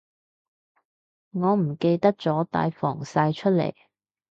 我唔記得咗帶防曬出嚟